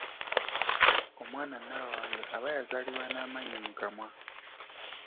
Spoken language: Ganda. Omwana Nabawanga aba yazaalibwa n'amannyo mu kamwa.